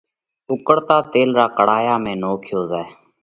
اُوڪۯتا تيل را ڪڙاهيا ۾ نوکيو زائه۔